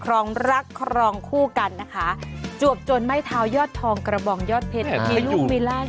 คลองรักคลองคู่กันนะคะจวกจนไม้เท้ายอดทองกระบ่องยอดเพชร